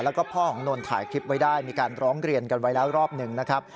แล้วก็พ่อของนนท์ถ่ายคลิปไว้ได้มีการร้องเรียนกันไว้แล้วรอบหนึ่งนะครับ